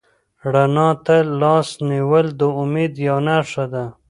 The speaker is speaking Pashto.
رڼا ته لاس نیول د امید یوه نښه ده.